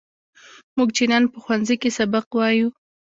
موږ چې نن په ښوونځي کې سبق وایو.